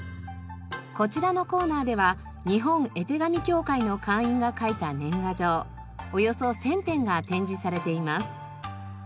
こちらのコーナーでは日本絵手紙協会の会員が描いた年賀状およそ１０００点が展示されています。